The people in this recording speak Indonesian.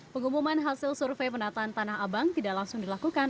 pengumuman hasil survei penataan tanah abang tidak langsung dilakukan